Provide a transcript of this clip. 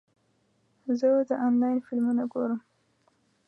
زه د انلاین فلمونه ګورم.